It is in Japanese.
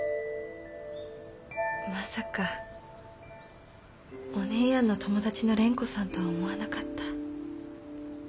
まさかお姉やんの友達の蓮子さんとは思わなかった。